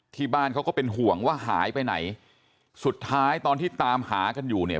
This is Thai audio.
ที่บ้านเขาก็เป็นห่วงว่าหายไปไหนสุดท้ายตอนที่ตามหากันอยู่เนี่ย